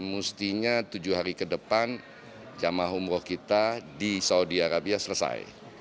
mestinya tujuh hari ke depan jemaah umroh kita di saudi arabia selesai